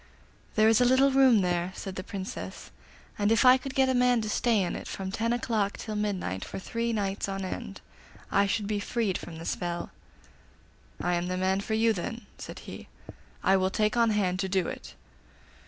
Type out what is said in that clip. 'There is a little room there,' said the Princess, 'and if I could get a man to stay in it from ten o'clock till midnight for three nights on end I should be freed from the spell.' 'I am the man for you, then,' said he; 'I will take on hand to do it.